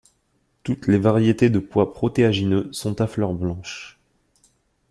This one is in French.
Toutes les variétés de pois protéagineux sont à fleurs blanches.